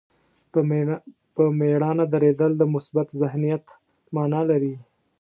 په مېړانه درېدل د مثبت ذهنیت معنا لري.